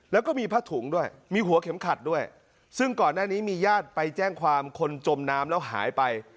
แล้วก็มีผ้าถุงด้วยมีหัวเข็มขัดด้วยซึ่งก่อนหน้านี้มีญาติไปแจ้งความคนจมน้ำแล้วหายไป